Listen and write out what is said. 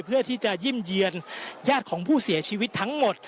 เพื่อที่จะเยี่ยมเยี่ยนญาติของผู้เสียชีวิตทั้งหมด